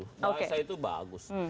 bahasa itu bagus